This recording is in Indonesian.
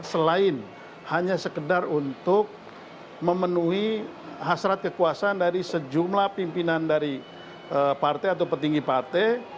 selain hanya sekedar untuk memenuhi hasrat kekuasaan dari sejumlah pimpinan dari partai atau petinggi partai